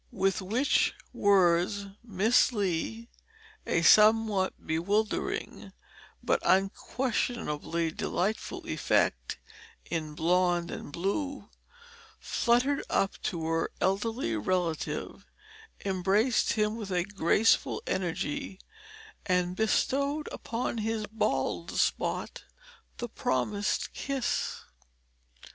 With which words Miss Lee a somewhat bewildering but unquestionably delightful effect in blond and blue fluttered up to her elderly relative, embraced him with a graceful energy, and bestowed upon his bald spot the promised kiss.